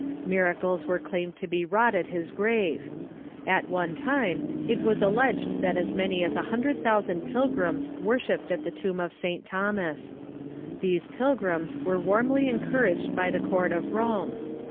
Miracles were claimed to be wrought at his grave. At one time, it is alleged that as many as a hundred thousand pilgrims worshipped at the tomb of St. Thomas. These pilgrimages were warmly encouraged by the court of Rome.